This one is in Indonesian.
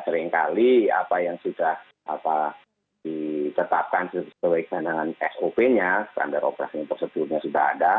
seringkali apa yang sudah dicetakkan sesuai dengan sop nya standard operation procedure nya sudah ada